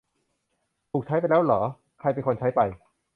ถูกใช้ไปแล้วหรอ ใครเป็นคนใช้ไป